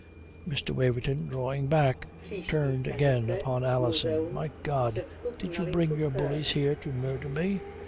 Mr. Waverton, drawing back, turned again upon Alison: "My God, did you bring your bullies here to murder me?"